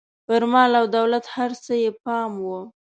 پر مال او دولت هر څه یې پام و.